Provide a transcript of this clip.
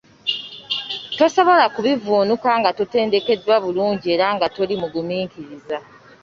Tosobola kubivvuunuka nga totendekeddwa bulungi era nga toli mugumiikiriza.